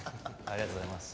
ありがとうございます。